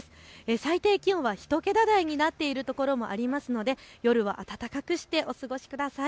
最低気温は１桁台になっている所もありますので、夜は暖かくしてお過ごしください。